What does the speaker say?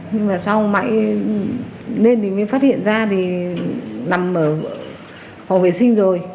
nhưng mà xong mãi lên thì mới phát hiện ra thì nằm ở phòng vệ sinh rồi